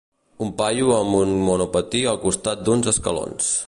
Un paio amb una monopatí al costat d'uns escalons.